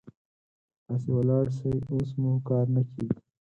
تاسې ولاړ شئ، اوس مو کار نه کيږي.